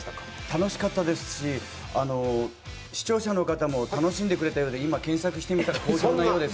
楽しかったですし視聴者の方も楽しんでくれたようで今、検索してみたら好評なようです